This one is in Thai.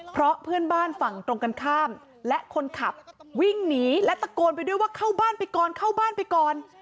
เพราะเพื่อนบ้านฝั่งตรงกันข้ามและคนขับวิ่งหนีและตะโกนไปด้วยว่าเข้าบ้านไปก่อนเข้าบ้านไปก่อน